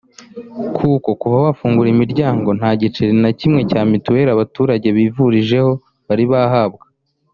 kuko kuva bafungura imiryango nta giceri na kimwe cya mitiweli abaturage bivurijeho bari bahabwa